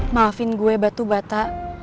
maafin gue batu bata